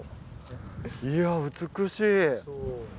いや美しい。